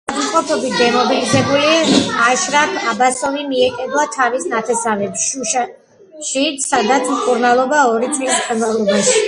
ავადმყოფობით დემობილიზებული, აშრაფ აბასოვი მიეკედლა თავის ნათესავებს შუშაში, სადაც მკურნალობა ორი წლის განმავლობაში.